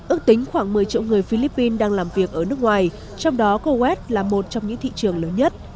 ước tính khoảng một mươi triệu người philippines đang làm việc ở nước ngoài trong đó kuwait là một trong những thị trường lớn nhất